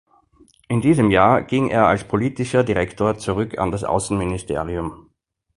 In diesem Jahr ging er als politischer Direktor zurück an das Außenministerium.